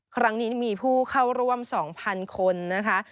ครั้งนี้มีผู้เข้าร่วม๒๐๐๐คนนะคะ